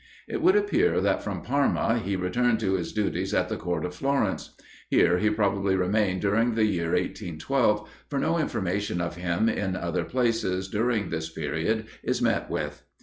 It would appear that from Parma he returned to his duties at the Court of Florence. Here he probably remained during the year 1812, for no information of him in other places, during this period, is met with.